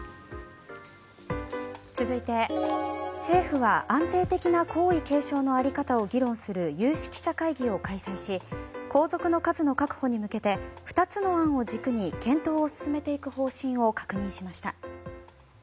続いて、政府は安定的な皇位継承の在り方を議論する有識者会議を開催し皇族の数の確保に向けて２つの案を軸に検討を進めていく方針を確認しました。